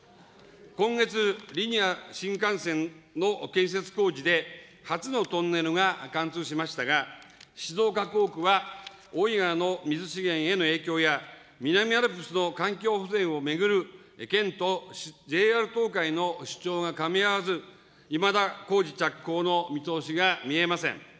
今月、リニア新幹線の建設工事で、初のトンネルが貫通しましたが、静岡工区は大井川の水資源への影響や、南アルプスの環境保全を巡る県とＪＲ東海の主張がかみ合わず、いまだ工事着工の見通しが見えません。